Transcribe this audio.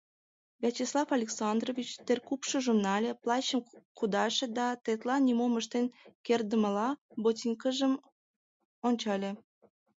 Вячеслав Александрович теркупшыжым нале, плащшым кудаше да, тетла нимом ыштен кертдымыла, ботинкыжым ончале.